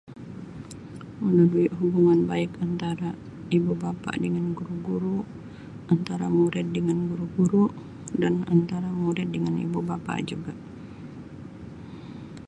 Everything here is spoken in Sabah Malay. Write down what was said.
Melalui hubungan baik antara ibu bapa dengan guru-guru, antara murid dengan guru-guru dan antara murid dengan ibu bapa juga.